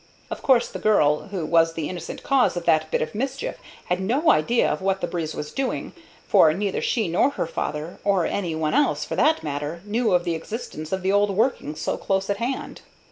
Of course the girl, who was the innocent cause of that bit of mischief, had no idea of what the breeze was doing, for neither she nor her father, or any one else for that matter, knew of the existence of the old workings so close at hand.